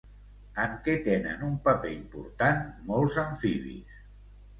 En què tenen un paper important molts amfibis?